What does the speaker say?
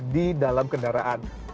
di dalam kendaraan